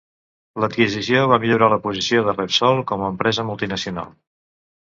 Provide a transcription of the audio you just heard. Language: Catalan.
L'adquisició va millorar la posició de Repsol com a empresa multinacional.